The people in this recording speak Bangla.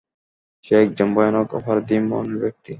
সে একজন ভয়ানক অপরাধী মনের ব্যক্তি।